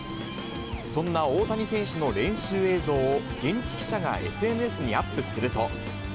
そんな大谷選手の練習映像を、現地記者がＳＮＳにアップすると。